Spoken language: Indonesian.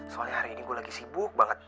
soalnya hari ini gue lagi sibuk banget